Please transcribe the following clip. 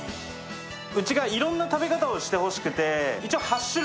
うちが、いろんな食べ方をしてほしくて。